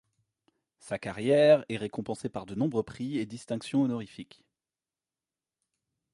Sa carrière est récompensée par de nombreux prix et distinctions honorifiques.